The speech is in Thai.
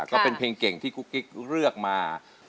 ก็เป็นเพลงเก่งที่กุ๊กกิ๊กเลือกมา